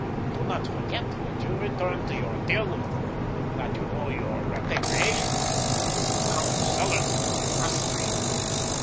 Do not forget when you return to your dear Lutha that you owe your repatriation to Count Zellerndorf of Austria."